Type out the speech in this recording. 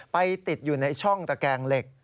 ติดอยู่ในช่องตะแกงเหล็ก